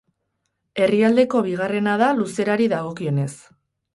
Herrialdeko bigarrena da luzerari dagokionez.